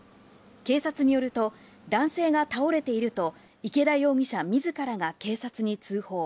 警察によると、男性が倒れていると、池田容疑者みずからが警察に通報。